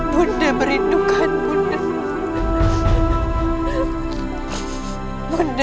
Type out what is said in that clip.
bunda merindukan bunda